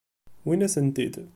Wwin-asen-tent-id.